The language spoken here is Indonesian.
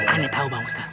ane tahu bang ustadz